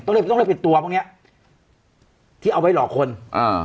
ต้องเรียกต้องเรียกเป็นตัวพวกเนี้ยที่เอาไว้หลอกคนอ่า